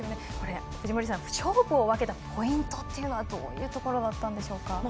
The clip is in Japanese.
藤森さん勝負を分けたポイントはどういうところだったんでしょうか。